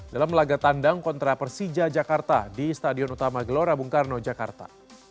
dalam laga tandang kontra persija jakarta di stadion utama gelora bung karno jakarta